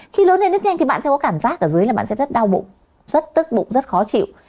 khi lớn lên nứt nhanh thì bạn sẽ có cảm giác ở dưới là bạn sẽ rất đau bụng rất tức bụng rất khó chịu